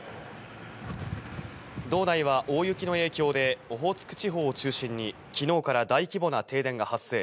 道内は大雪の影響でオホーツク地方を中心に、昨日から大規模な停電が発生。